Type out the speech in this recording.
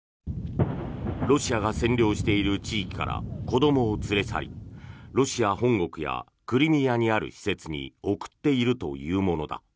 ロシアが占領している地域から子どもを連れ去りロシア本国やクリミアにある施設に送っているというものだ。